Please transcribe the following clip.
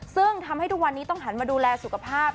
ซึ่งทำให้ทุกวันนี้ต้องหันมาดูแลสุขภาพ